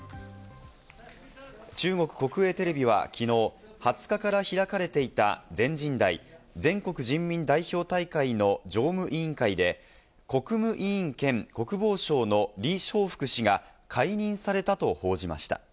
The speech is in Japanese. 中国国営テレビは、きのう２０日から開かれていた、全人代＝全国人民代表大会の常務委員会で国務委員兼国防相のリ・ショウフク氏が解任されたと報じました。